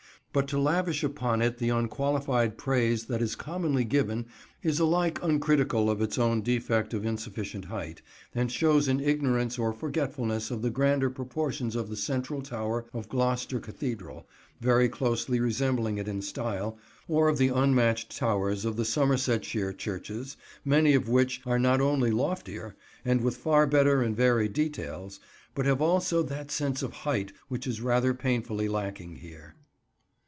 But to lavish upon it the unqualified praise that is commonly given is alike uncritical of its own defect of insufficient height, and shows an ignorance or forgetfulness of the grander proportions of the central tower of Gloucester Cathedral, very closely resembling it in style, or of the unmatched towers of the Somersetshire churches, many of which are not only loftier, and with far better and varied details, but have also that sense of height which is rather painfully lacking here.